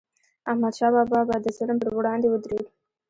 احمدشاه بابا به د ظلم پر وړاندې ودرید.